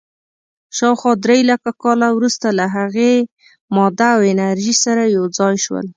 شاوخوا درېلکه کاله وروسته له هغې، ماده او انرژي سره یو ځای شول.